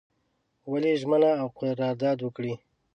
ولي ژمنه او قرارداد وکړي.